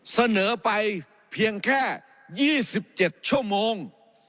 เสนอไปเพียงแค่๒๗ชั่วโมง